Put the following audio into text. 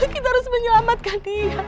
kita harus menyelamatkan dia